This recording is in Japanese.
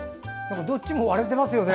どっちも割れてますよね。